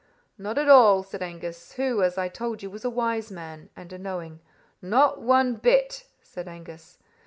'Not at all,' said Angus, who as I told you was a wise man and a knowing; 'not one bit,' said Angus.